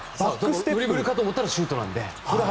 ドリブルかと思ったらシュートなので。